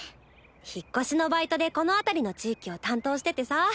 引っ越しのバイトでこの辺りの地域を担当しててさ。